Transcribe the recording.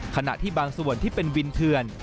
ขณะที่บางส่วนที่เป็นวินเถื่อน